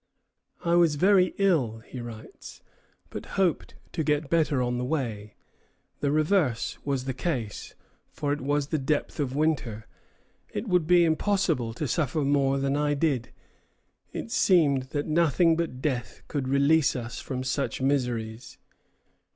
"I was very ill," he writes, "but hoped to get better on the way. The reverse was the case, for it was the depth of winter. It would be impossible to suffer more than I did. It seemed that nothing but death could release us from such miseries."